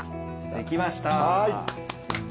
できました。